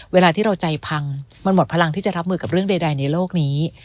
เวลาที่เราใจพังมันหมดพลังที่จะรับมือกับเรื่องใดในโลกนี้